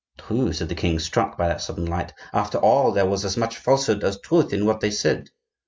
"True," said the king, struck by that sudden light. "After all, there was as much falsehood as truth in what they said.